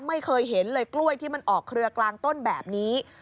ไม่เคยเห็นเลยกล้วยที่มันออกเครือกลางต้นแบบนี้